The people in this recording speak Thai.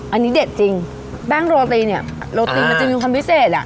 อันนี้เด็ดจริงแป้งโรตีเนี่ยโรตีมันจะมีความพิเศษอ่ะ